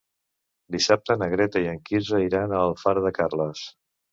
Dissabte na Greta i en Quirze iran a Alfara de Carles.